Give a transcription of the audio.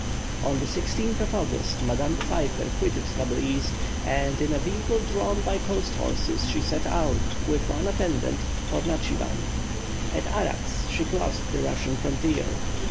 On the 16th of August, Madame Pfeiffer quitted Tabrîz, and in a vehicle drawn by post horses she set out, with one attendant, for Natchivan. At Arax she crossed the Russian frontier.